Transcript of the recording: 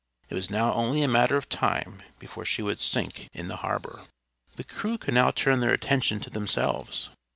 It was now only a matter of time before she would sink in the harbor. The crew could now turn their attention to themselves.